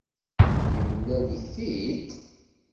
Yemlal-it-id?